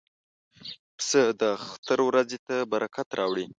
پسه د اختر ورځې ته برکت راوړي.